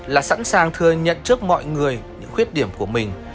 là sẵn sàng thừa nhận trước mọi người những khuyết điểm của mình